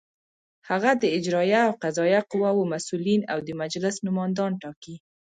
هغه د اجرائیه او قضائیه قواوو مسؤلین او د مجلس نوماندان ټاکي.